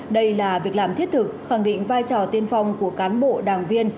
đây là việc làm thiết thực khẳng định vai trò tiên phong của cán bộ đảng viên